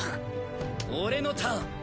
俺のターン。